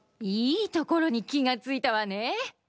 いいところにきがついたわね！